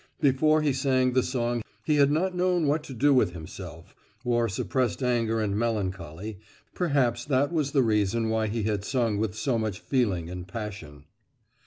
Before he sang the song he had not known what to do with himself, or suppressed anger and melancholy—perhaps that was the reason why he had sung with so much feeling and passion.